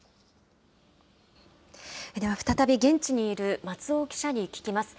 では再び、現地にいる松尾記者に聞きます。